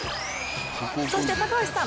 そして、高橋さん